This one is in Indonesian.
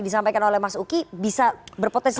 disampaikan oleh mas uki bisa berpotensi